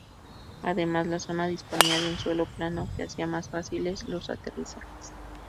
Además, la zona disponía de un suelo plano, que hacía más fáciles los aterrizajes.